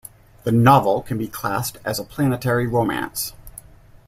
The novel can be classed as a planetary romance.